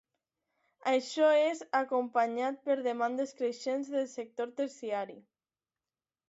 Això és acompanyat per demandes creixents del sector terciari.